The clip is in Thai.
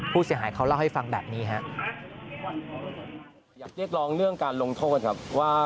ผู้เสียหายเขาเล่าให้ฟังแบบนี้ครับว่า